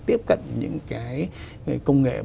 tiếp cận những công nghệ